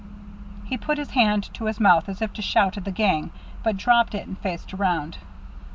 He put his hand to his mouth as if to shout at the gang, but dropped it and faced around.